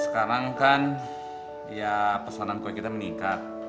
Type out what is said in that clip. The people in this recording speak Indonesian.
sekarang kan ya pesanan kue kita meningkat